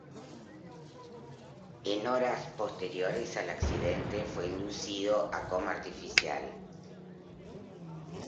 En horas posteriores al accidente fue inducido a estado de coma artificial.